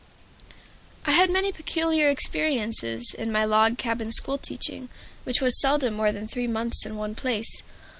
I had many peculiar experiences in my log cabin school teaching, which was seldom more than three months in one place.